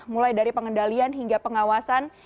mulai dari pengendalian hingga pengawasan